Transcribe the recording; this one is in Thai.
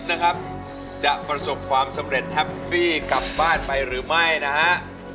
นะครับจะประสบความสำเร็จแฮปปี้กลับบ้านไปหรือไม่นะฮะ